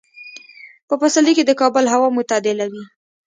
په پسرلي کې د کابل هوا معتدله وي.